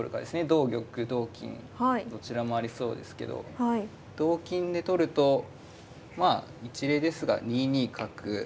同玉同金どちらもありそうですけど同金で取るとまあ一例ですが２二角。